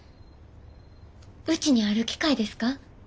うちにある機械ですか？